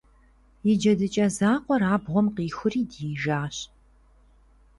И джэдыкӀэ закъуэр абгъуэм къихури диижащ.